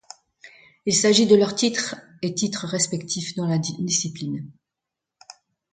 Il s'agit de leur titre et titre respectif dans la discipline.